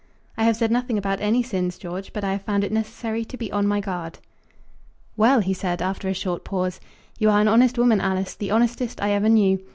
"I have said nothing about any sins, George, but I have found it necessary to be on my guard." "Well," he said, after a short pause, "You are an honest woman, Alice, the honestest I ever knew.